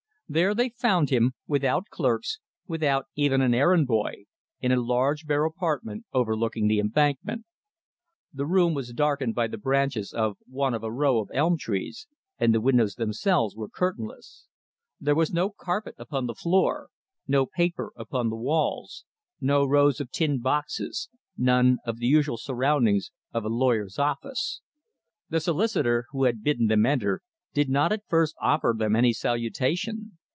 There they found him, without clerks, without even an errand boy, in a large bare apartment overlooking the embankment. The room was darkened by the branches of one of a row of elm trees, and the windows themselves were curtainless. There was no carpet upon the floor, no paper upon the walls, no rows of tin boxes, none of the usual surroundings of a lawyer's office. The solicitor, who had bidden them enter, did not at first offer them any salutation.